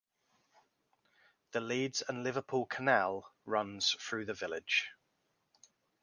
The Leeds and Liverpool Canal runs through the village.